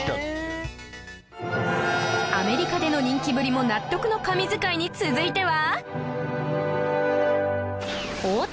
アメリカでの人気ぶりも納得の神図解に続いては